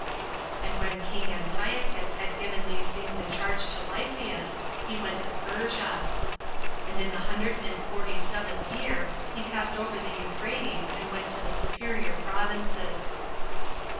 And when king Antiochus had given these things in charge to Lysias, he went into Persia; and in the hundred and forty seventh year he passed over Euphrates, and went to the superior provinces.